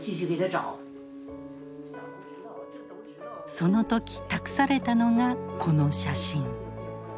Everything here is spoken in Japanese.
その時託されたのがこの写真。